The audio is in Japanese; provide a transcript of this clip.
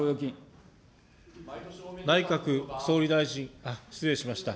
内閣総理大臣、失礼しました。